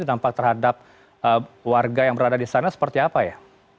dampak terhadap warga yang berada di sana seperti apa ya